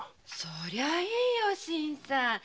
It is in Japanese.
そりゃいいよ新さん。